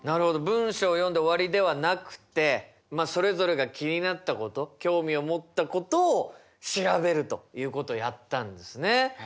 文章を読んで終わりではなくてそれぞれが気になったこと興味を持ったことを調べるということをやったんですね。